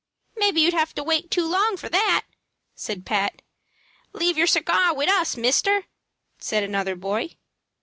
"Maybe you'd have to wait too long for that," said Pat. "Leave yer cigar wid us, mister," said another boy.